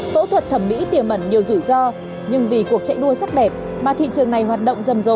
phẫu thuật thẩm mỹ tiềm ẩn nhiều rủi ro nhưng vì cuộc chạy đua sắc đẹp mà thị trường này hoạt động rầm rộ